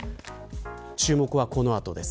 注目はこの後です。